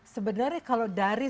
sebenarnya kalau dari